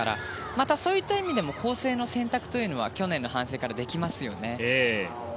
また、そういった意味でも構成の選択というのは去年の反省からできますよね。